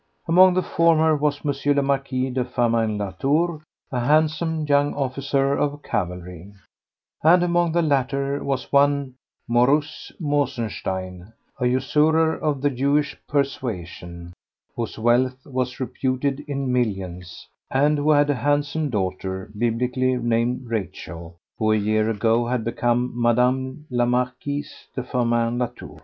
Among the former was M. le Marquis de Firmin Latour, a handsome young officer of cavalry; and among the latter was one Mauruss Mosenstein, a usurer of the Jewish persuasion, whose wealth was reputed in millions, and who had a handsome daughter biblically named Rachel, who a year ago had become Madame la Marquise de Firmin Latour.